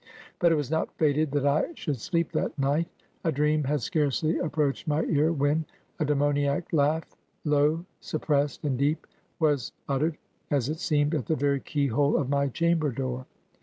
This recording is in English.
"But it was not fated that I should sleep that night. A dream had scarcely approached my ear, when ... a demoniac laugh — low, suppressed, and deep — was ut tered, as it seemed, at the very key hole of my chamber door.